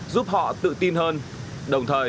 giúp họ tự tin hơn